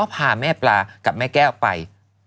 พาแม่ปลากับแม่แก้วไป